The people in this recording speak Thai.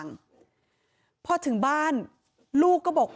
ชาวบ้านในพื้นที่บอกว่าปกติผู้ตายเขาก็อยู่กับสามีแล้วก็ลูกสองคนนะฮะ